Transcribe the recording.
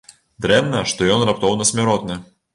Дрэнна, што ён раптоўна смяротны!